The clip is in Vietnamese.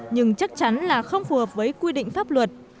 nhưng chắc chắn là không phù hợp với quy định pháp luật